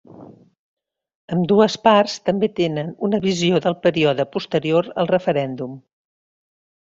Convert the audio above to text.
Ambdues parts també tenen una visió del període posterior al referèndum.